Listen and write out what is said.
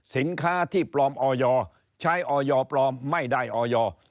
สินค้าที่ปลอมออยใช้ออยปลอมไม่ได้ออย